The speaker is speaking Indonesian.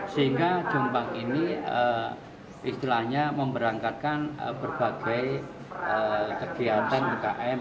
sehingga jombang ini istilahnya memberangkatkan berbagai kegiatan ukm